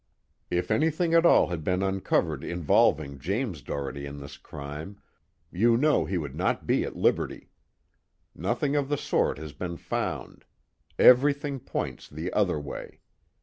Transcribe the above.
If anything at all had been uncovered involving James Doherty in this crime, you know he would not be at liberty. Nothing of the sort has been found; everything points the other way.